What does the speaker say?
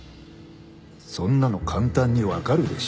そんなの簡単に分かるでしょう。